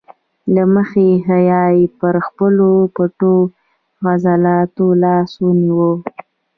له مخې حیا یې پر خپلو پټو عضلاتو لاس ونیو.